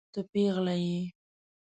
ته پيغله يې.